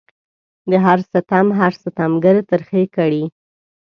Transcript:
د هر ستم هر ستمګر ترخې کړي